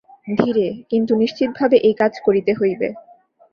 ধীরে, কিন্তু নিশ্চিতভাবে এই কাজ করিতে হইবে।